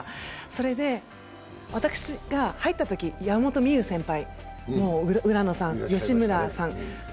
それで私が入ったとき山本美憂先輩、浦野さんの、吉村さん。